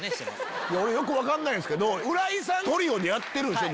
よく分かんないんすけど浦井さんトリオでやってる。